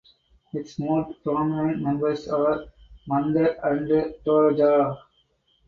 Its most prominent members are Mandar and Toraja.